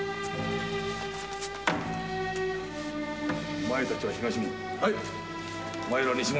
お前たちは東門。